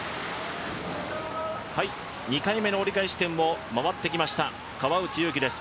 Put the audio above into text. ２回目の折り返し地点を回ってきました川内優輝です。